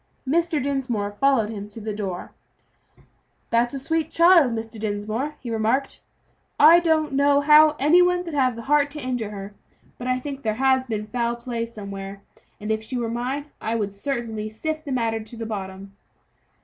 Mr. Dinsmore followed him to the door. "That's a sweet child, Mr. Dinsmore," he remarked. "I don't know how any one could have the heart to injure her; but I think there has been foul play somewhere, and if she were mine I should certainly sift the matter to the bottom."